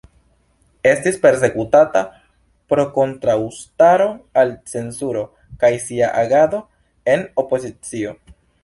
Estis persekutata pro kontraŭstaro al cenzuro kaj sia agado en opozicio.